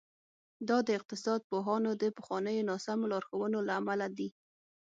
دا د اقتصاد پوهانو د پخوانیو ناسمو لارښوونو له امله دي.